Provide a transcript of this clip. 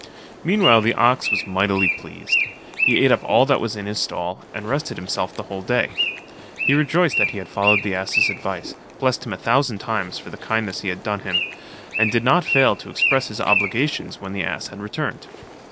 Meanwhile, the ox was mightily pleased; he ate up all that was in his stall, and rested himself the whole day. He rejoiced that he had followed the ass's advice, blessed him a thousand times for the kindness he had done him, and did not fail to express his obligations when the ass had returned.